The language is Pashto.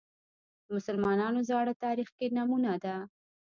د مسلمانانو زاړه تاریخ کې نمونه ده